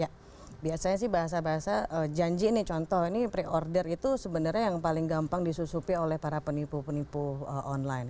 ya biasanya sih bahasa bahasa janji nih contoh ini pre order itu sebenarnya yang paling gampang disusupi oleh para penipu penipu online